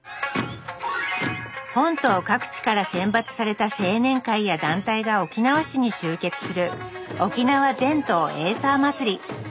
本島各地から選抜された青年会や団体が沖縄市に集結する「沖縄全島エイサーまつり」。